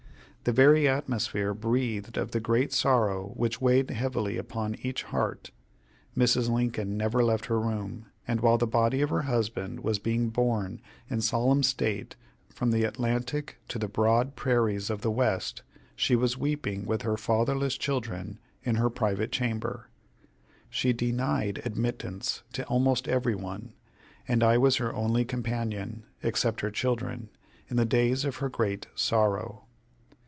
The very atmosphere breathed of the great sorrow which weighed heavily upon each heart. Mrs. Lincoln never left her room, and while the body of her husband was being borne in solemn state from the Atlantic to the broad prairies of the West, she was weeping with her fatherless children in her private chamber. She denied admittance to almost every one, and I was her only companion, except her children, in the days of her great sorrow.